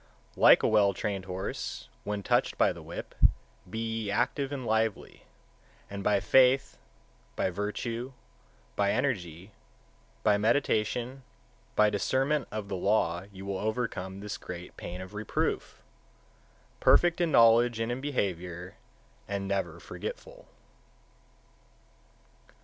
144. Like a well trained horse when touched by the whip, be ye active and lively, and by faith, by virtue, by energy, by meditation, by discernment of the law you will overcome this great pain (of reproof), perfect in knowledge and in behaviour, and never forgetful.